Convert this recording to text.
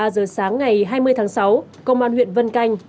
ba giờ sáng ngày hai mươi tháng sáu công an huyện vân canh